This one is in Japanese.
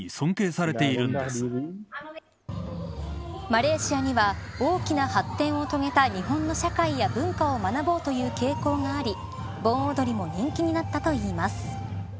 マレーシアには大きな発展を遂げた日本の社会や文化を学ぼうという傾向があり盆踊りも人気になったといいます。